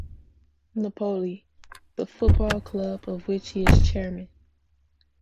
Napoli, the football club of which he is chairman.